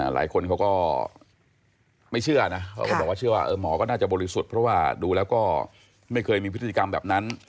หลายคนเขาก็ไม่เชื่อนะเขาก็บอกว่าเชื่อว่าหมอก็น่าจะบริสุทธิ์เพราะว่าดูแล้วก็ไม่เคยมีพฤติกรรมแบบนั้น